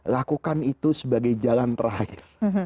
lakukan itu sebagai jalan terakhir